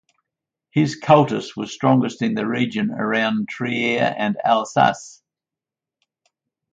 His "cultus" was strongest in the region around Trier and in Alsace.